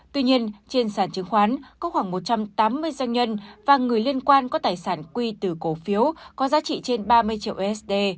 tuy nhiên trên sản chứng khoán có khoảng một trăm tám mươi doanh nhân và người liên quan có tài sản quy từ cổ phiếu có giá trị trên ba mươi triệu usd